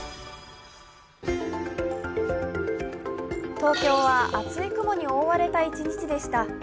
東京は厚い雲に覆われた一日でした。